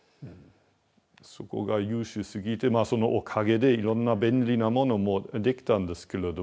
そこが優秀すぎてまあそのおかげでいろんな便利なものも出来たんですけれども。